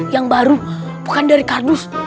yang baru bukan dari kardus